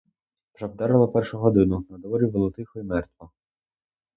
Вже вдарило першу годину, надворі було тихо й мертво.